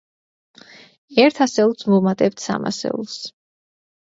ერთ ასეულს ვუმატებთ სამ ასეულს.